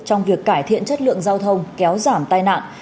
trong việc cải thiện chất lượng giao thông kéo giảm tai nạn